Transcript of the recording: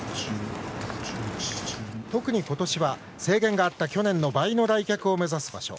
特にことしは制限があった去年の倍の来客を目指す場所。